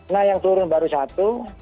nah yang turun baru satu